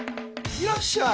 いらっしゃい。